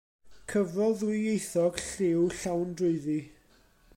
Cyfrol ddwyieithog, lliw llawn drwyddi.